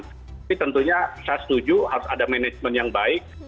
tapi tentunya saya setuju harus ada manajemen yang baik